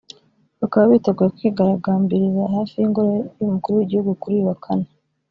bakaba biteguye kwigaragambiriza hafi y’ingoro y’umukuru w’igihugu kuri uyu kane